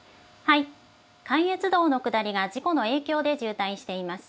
関越道の下りが事故の影響で渋滞しています。